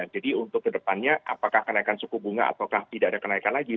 jadi untuk kedepannya apakah kenaikan suku bunga apakah tidak ada kenaikan lagi